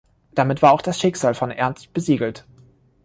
Damit war auch das Schicksal von Ernst besiegelt.